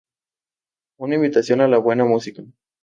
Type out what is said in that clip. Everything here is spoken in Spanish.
Una invitación a la buena música.